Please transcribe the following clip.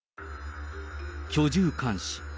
居住監視。